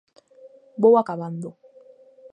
Vou acabando.